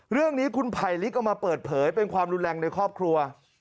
เรื่องนี้คุณไผลลิกเอามาเปิดเผยเป็นความรุนแรงในครอบครัว